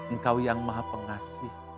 engkau yang maha pengasih